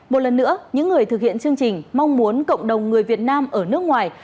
một lần nữa những người thực hiện chương trình mong muốn cộng đồng người việt nam ở nước ngoài